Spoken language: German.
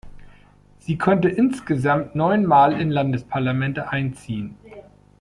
Sie konnte insgesamt neun Mal in Landesparlamente einziehen.